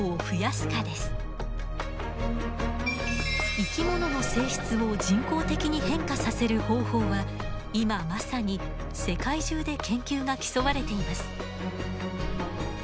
生き物の性質を人工的に変化させる方法は今まさに世界中で研究が競われています。